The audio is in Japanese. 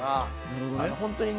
なるほどね。